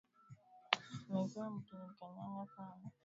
Mmekuwa mkinikanganya sana